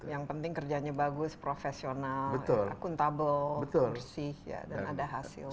yang penting kerjanya bagus profesional akuntabel bersih dan ada hasil